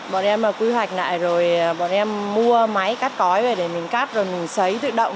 bọn em quy hoạch lại rồi bọn em mua máy cắt cói về để mình cắt rồi mình xấy tự động